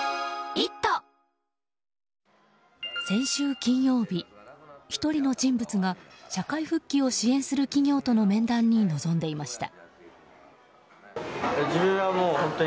先週金曜日、１人の人物が社会復帰を支援する企業との面談に臨んでいました。